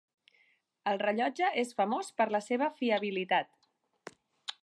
El rellotge és famós per la seva fiabilitat.